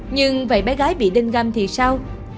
nhưng vậy bé gái bị đinh gam thì sao